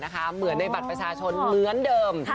เหมือนในบัตรประชาชนเหมือนเดิม